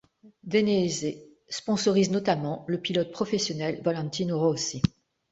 Dainese sponsorise notamment le pilote professionnel Valentino Rossi.